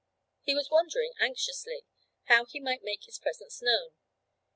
He was wondering anxiously how he might make his presence known.